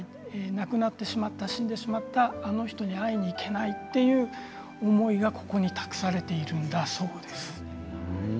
分からなくなってしまった死んでしまった人に会いに行けないという思いがここに隠されているんだそうです。